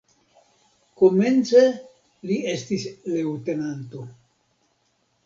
Komence li estis leŭtenanto.